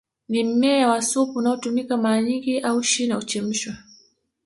Ni mmea wa supu unaotumika mara nyingi au shina huchemshwa